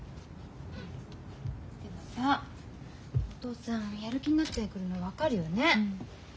でもさあお父さんやる気になってくるの分かるよね。